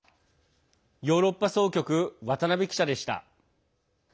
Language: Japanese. ヨーロッパ総局渡辺記者でした。